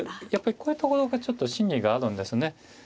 やっぱりこういうところがちょっと心理があるんですね。